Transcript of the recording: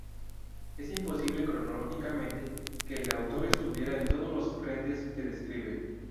Es imposible cronológicamente que el autor estuviera en todos los frentes que describe.